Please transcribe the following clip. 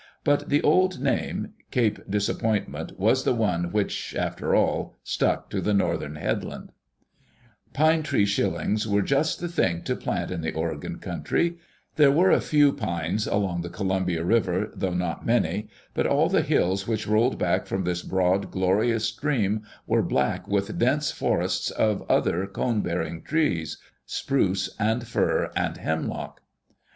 But the old name. Cape Dis appointment, was the one which, after all, stuck to the northern headland. Pine tree shillings were just the thing to plant in the ^, Digitized by VjOOQ LC EARLY DAYS IN OLD OREGON Oregon country. There were a few pines along the Columbia River, though not many; but all the hills which rolled back from this broad, glorious stream were black with dense forests of other cone bearing trees — spruce and fir and hemlock.